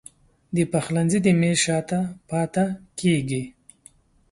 د پخلنځي د میز شاته پاته کیږې